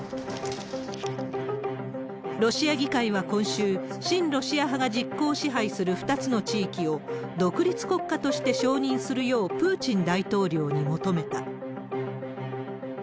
ロシア議会は今週、親ロシア派が実効支配する２つの地域を独立国家として承認するようプーチン大統領に求めた。